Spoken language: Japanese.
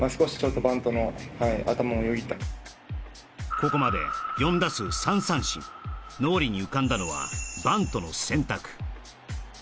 ここまで４打数３三振脳裏に浮かんだのはバントの選択